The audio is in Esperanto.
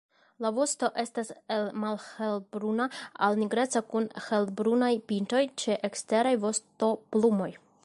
La vosto estas el malhelbruna al nigreca kun helbrunaj pintoj ĉe eksteraj vostoplumoj.